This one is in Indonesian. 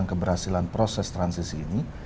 keberhasilan proses transisi ini